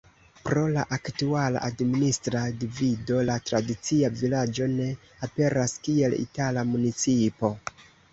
Pro la aktuala administra divido la tradicia vilaĝo ne aperas kiel itala municipo.